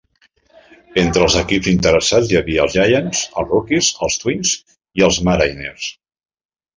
Entre els equips interessats hi havia els Giants, els Rockies, els Twins, i els Mariners.